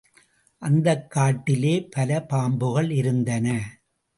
அந்தக் காட்டிலே பல பாம்புகள் இருந்தன.